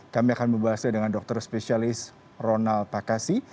kami akan membahasnya dengan dokter spesialis ronald pakasi